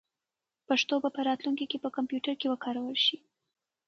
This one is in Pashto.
پښتو به په راتلونکي کې په کمپیوټر کې وکارول شي.